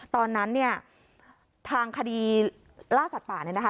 ตอนนั้นเนี่ยทางคดีล่าสัตว์ป่าเนี่ยนะคะ